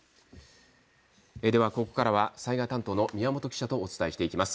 ここからは災害担当の宮本記者とお伝えしていきます。